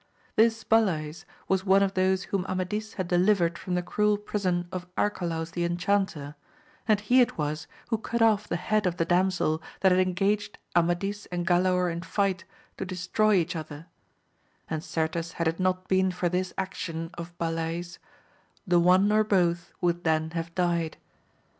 This Balays was one of those whom Amadis had de livered from the cruel prison of Arcalaus the enchanter, and he it was who cut off the head of the damsel that had engaged Amadis and Galaor in fight to destroy each other ; and certes had it not been for this action of Balays, the one or both would then have died.